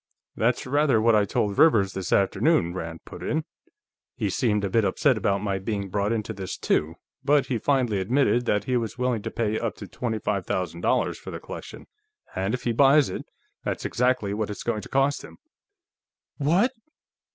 "That's rather what I told Rivers, this afternoon," Rand put in. "He seemed a bit upset about my being brought into this, too, but he finally admitted that he was willing to pay up to twenty five thousand dollars for the collection, and if he buys it, that's exactly what it's going to cost him." "_What?